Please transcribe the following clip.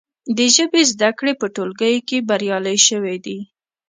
د ژبې زده کړې په ټولګیو کې بریالۍ شوي دي.